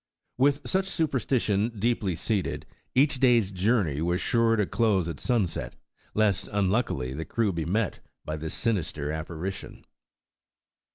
With such supersti tion deeply seated, each day's journey was sure to close at sunset, lest unluckily, the crew be met by this sinister apparition.